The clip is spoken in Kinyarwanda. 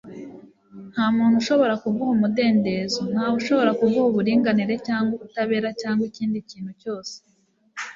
nta muntu ushobora kuguha umudendezo. ntawe ushobora kuguha uburinganire cyangwa ubutabera cyangwa ikindi kintu cyose